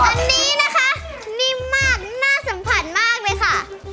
อันนี้นะคะนิ่มมากน่าสัมผัสมากเลยค่ะ